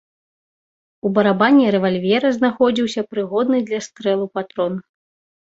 У барабане рэвальвера знаходзіўся прыгодны для стрэлу патрон.